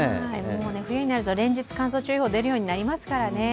冬になると連日、乾燥注意報が出るようになりますからね